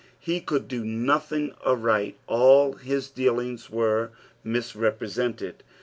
Ho could "do nothing aright, all his dealings were mis repre»ented.